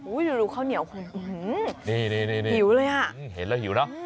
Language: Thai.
อุ้ยดูดูข้าวเหนียวอื้อหือนี่นี่นี่หิวเลยฮะเห็นแล้วหิวน่ะ